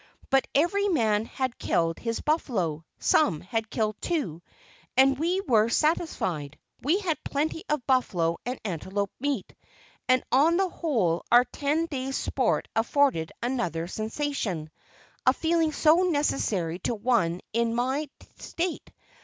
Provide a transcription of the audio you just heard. But every man had killed his buffalo, some had killed two, and we were satisfied. We had plenty of buffalo and antelope meat, and on the whole our ten days' sport afforded another "sensation," a feeling so necessary to one in my state.